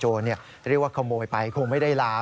เรียกว่าขโมยไปคงไม่ได้ลา